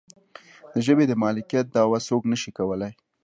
د ژبې د مالکیت دعوه څوک نشي کولی.